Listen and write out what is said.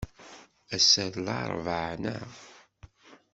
Ass-a d laṛebɛa, naɣ?